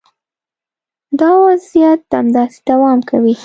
دا وضعیت همداسې دوام کوي.